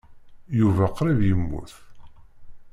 Yuba qrib yemmut.